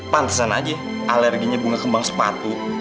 pantesan aja alerginya bunga kembang sepatu